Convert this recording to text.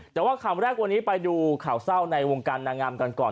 แต่ว่าคำแรกวันนี้ไปดูข่าวเศร้าในวงการนางงามกันก่อน